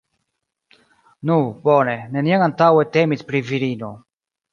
Nu, bone, neniam antaŭe temis pri virino.